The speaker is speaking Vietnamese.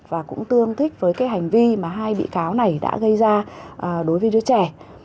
và cũng tương thích với cái hành vi mà hai bị cáo này đã gây ra đối với đứa trẻ